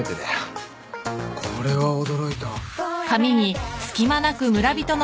これは驚いた。